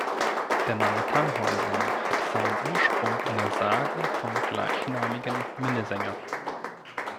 Der Name Tannhäuser hat seinen Ursprung in der Sage vom gleichnamigen Minnesänger.